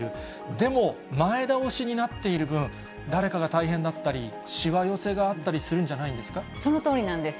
でも、前倒しになっている分、誰かが大変だったり、しわ寄せがあったりそのとおりなんです。